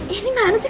ini mana sih